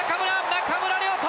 中村亮土！